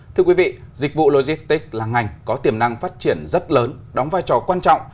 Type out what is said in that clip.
thưa quý vị dịch vụ logistics là ngành có tiềm năng phát triển rất lớn đóng vai trò quan trọng